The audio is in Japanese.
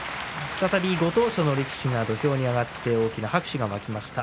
再びご当所の力士が土俵に上がって拍手が起こりました。